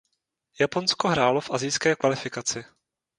Japonsko hrálo v Asijské kvalifikaci.